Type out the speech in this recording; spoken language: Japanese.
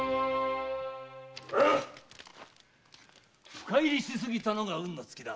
深入りしすぎたのが運の尽きだ。